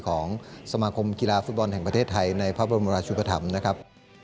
ของสมาคมกีฬาฟุตบอลแห่งประเทศไทยในพระบรมราชุปธรรมนะครับ